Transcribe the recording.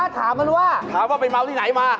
ถามว่าไปเมาที่ไหนมา